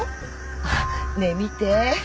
あっねえ見て。